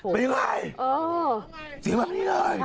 มีวิมาต้นตะดินเลย